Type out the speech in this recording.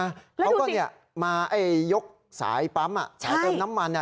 แล้วดูสิเขาก็เนี่ยมาเอ้ยยกสายปั๊มอ่ะใช่สายเติมน้ำมันอ่ะ